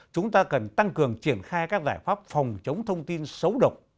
chúng ta cần tăng cường triển khai các giải pháp phòng chống thông tin xấu độc